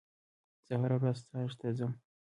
زه هره ورځ ستاژ ته ځم.